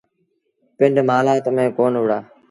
پنڊ مهلآت ميݩ ڪون وهُڙآ